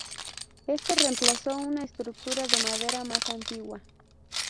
Este reemplazó una estructura de madera más antigua.